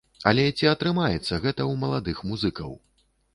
Але ці атрымаецца гэта ў маладых музыкаў?